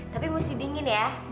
tapi mesti dingin ya